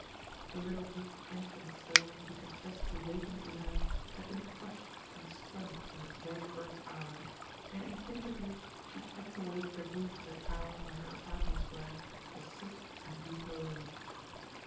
The little weak infant soul, which had just awakened in her, had been crushed and stunned in its very birth hour; and instinctively she crept away to the roof of the tower where her apartments were, to sit and weep alone.